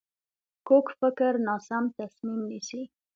کوږ فکر ناسم تصمیم نیسي